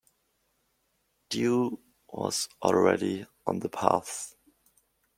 Dew was already on the paths.